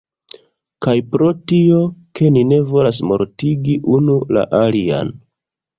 Kaj pro tio, ke ni ne volas mortigi unu la alian